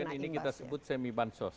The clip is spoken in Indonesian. jadi kan ini kita sebut semi bansos